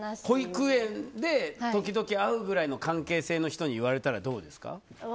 保育園で時々会うくらいの関係性の人に言われたらどうですか？